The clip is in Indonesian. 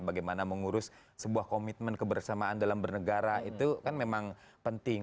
bagaimana mengurus sebuah komitmen kebersamaan dalam bernegara itu kan memang penting